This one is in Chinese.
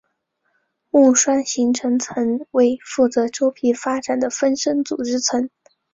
木栓形成层为负责周皮发展的分生组织层。